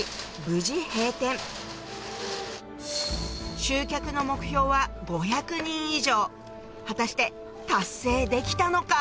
無事閉店集客の目標は５００人以上果たして達成できたのか？